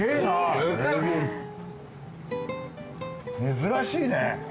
珍しいね。